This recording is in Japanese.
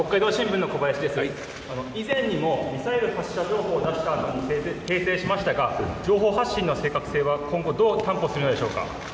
以前にもミサイル発射情報を出した後で、訂正しましたが情報発信の正確性はどう担保するんでしょうか。